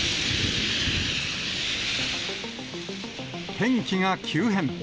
天気が急変。